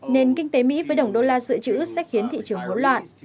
nền kinh tế mỹ với đồng đô la dự trữ sẽ khiến thị trường hỗn loạn